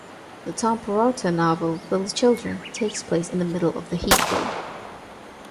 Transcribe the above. The Tom Perrotta novel "Little Children" takes place in the middle of the heatwave.